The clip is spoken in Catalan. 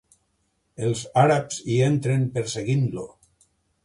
Els àrabs hi entren perseguint-lo.